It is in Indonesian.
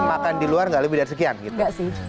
gitu aja yang penting makan di luar gak lebih dari sekian gitu